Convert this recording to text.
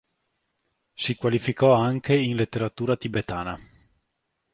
Si qualificò anche in letteratura tibetana.